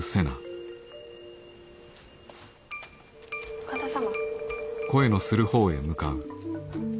お方様？